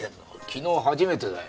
昨日初めてだよ。